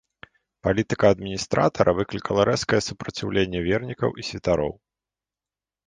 Палітыка адміністратара выклікала рэзкі супраціўленне вернікаў і святароў.